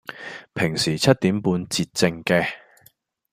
平時七點半截症嘅